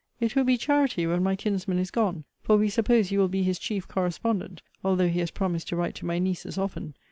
It will be charity when my kinsman is gone; for we suppose you will be his chief correspondent; although he has promised to write to my nieces often.